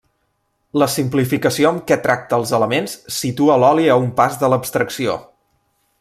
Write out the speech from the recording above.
La simplificació amb què tracta els elements situa l'oli a un pas de l'abstracció.